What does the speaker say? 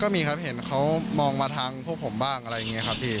มีครับเห็นเขามองมาทางพวกผมบ้างอะไรอย่างนี้ครับพี่